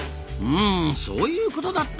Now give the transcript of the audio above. うんそういうことだったのか。